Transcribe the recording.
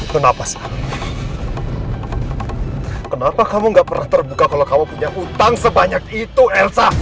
kenapa sayang kenapa kamu gak pernah terbuka kalau kamu punya utang sebanyak itu elsa